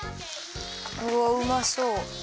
うわうまそう。